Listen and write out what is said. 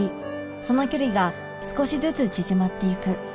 その距離が少しずつ縮まっていく